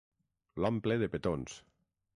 L'omple de petons.